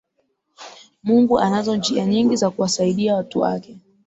mungu anazo njia nyingi za kuwasaidia watu wake